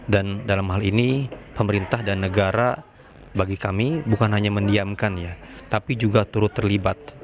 dan dalam hal ini pemerintah dan negara bagi kami bukan hanya mendiamkan ya tapi juga turut terlibat